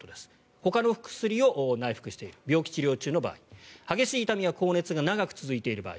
ほかの薬を内服している病気治療中の場合激しい痛みや高熱が長く続いている場合